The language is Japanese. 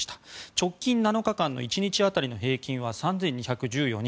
直近７日間の１日当たりの平均は３２１４人。